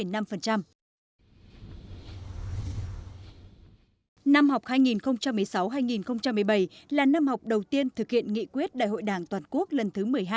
năm học hai nghìn một mươi sáu hai nghìn một mươi bảy là năm học đầu tiên thực hiện nghị quyết đại hội đảng toàn quốc lần thứ một mươi hai